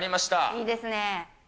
いいですね。